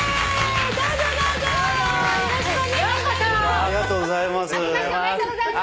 ありがとうございます。